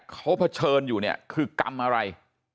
เขาเผชิญอยู่เนี่ยคือกรรมอะไร